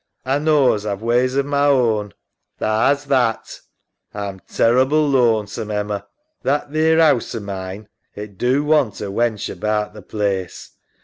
A knaws A've ways o' ma own. EMMA. Tha has that. SAM. A'm terrible lonesome, Emma. That theer 'ouse o' mine, it do want a wench about th' plaice.